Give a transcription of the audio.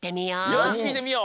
よしきいてみよう。